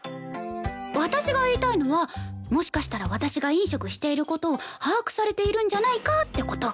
私が言いたいのはもしかしたら私が飲食している事を把握されているんじゃないかって事。